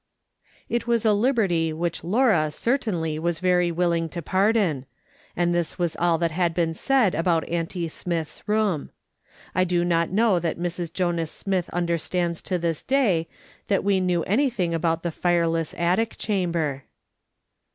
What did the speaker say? It was a liberty which Laura certainly was very willing to pardon ; and this was all that had been |82 MAS. SOLOMON SMITH LOOKING ON. said about auutie Smith's room. I do not know that Mrs. Jonas Smith understands to this day that we knew any thing about the fireless attic chamber.